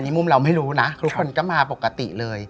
มุมเราไม่รู้นะทุกคนก็มาปกติเลย